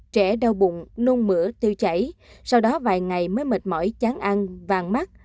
trẻ đau bụng nun mửa tiêu chảy sau đó vài ngày mới mệt mỏi chán ăn vàng mắt